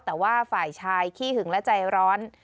แต่ว่าฝ่ายชายขี้หึงและใจร้อน